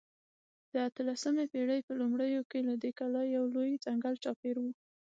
د اتلسمې پېړۍ په لومړیو کې له دې کلا یو لوی ځنګل چاپېر و.